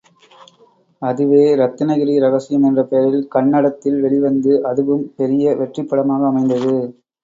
அதுவே ரத்னகிரி ரகசியம் என்ற பெயரில் கன்னடத்தில் வெளிவந்து அதுவும் பெரிய வெற்றிப் படமாக அமைந்தது.